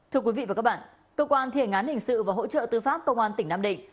thưa quý vị và các bạn cơ quan thi hành án hình sự và hỗ trợ tư pháp công an tỉnh nam định